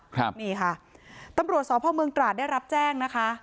ครับนี่ค่ะตำรวจสพเมืองตราดได้รับแจ้งนะคะ